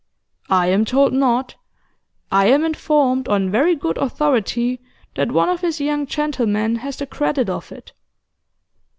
'I am told not. I am informed on very good authority that one of his young gentlemen has the credit of it.